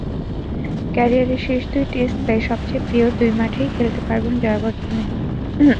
ক্যারিয়ারের শেষ দুই টেস্ট তাই সবচেয়ে প্রিয় দুই মাঠেই খেলতে পারবেন জয়াবর্ধনে।